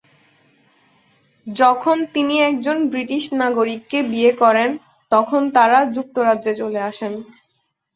যখন তিনি একজন ব্রিটিশ নাগরিককে বিয়ে করেন তখন তারা যুক্তরাজ্যে চলে আসেন।